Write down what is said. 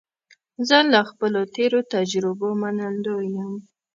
زه له خپلو تېرو تجربو منندوی یم.